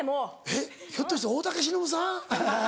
えっひょっとして大竹しのぶさん？